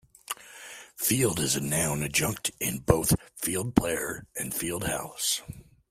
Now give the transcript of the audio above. "Field" is a noun adjunct in both "field player" and "fieldhouse".